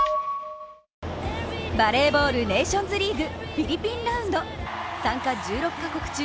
バレーボールネーションズリーグフィリピンラウンド参加１６カ国中